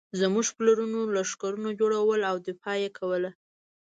زموږ پلرونو لښکرونه جوړول او دفاع یې کوله.